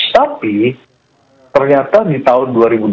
tapi ternyata di tahun dua ribu dua puluh